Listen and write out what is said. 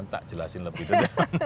tak jelasin lebih dulu